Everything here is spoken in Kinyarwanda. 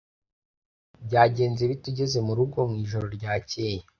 Byagenze bite ugeze murugo mwijoro ryakeye?